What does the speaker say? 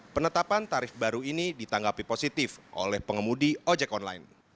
penetapan tarif baru ini ditanggapi positif oleh pengemudi ojek online